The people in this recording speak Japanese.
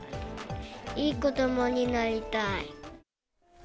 いい子どもになりたい。